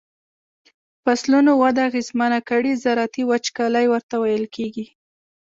فصلونو وده اغیزمنه کړي زراعتی وچکالی ورته ویل کیږي.